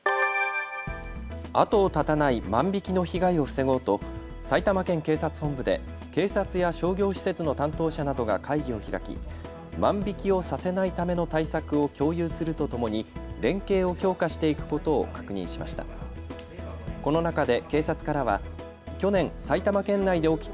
後を絶たない万引きの被害を防ごうと埼玉県警察本部で警察や商業施設の担当者などが会議を開き万引きをさせないための対策を共有するとともに連携を強化していくことを確認しました。